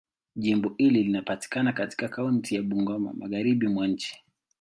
Jimbo hili linapatikana katika kaunti ya Bungoma, Magharibi mwa nchi.